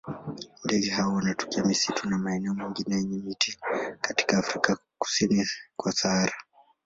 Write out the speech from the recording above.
Ndege hawa wanatokea misitu na maeneo mengine yenye miti katika Afrika kusini kwa Sahara.